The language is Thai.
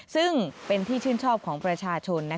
ซึ่งเป็นที่ชื่นชอบของประชาชน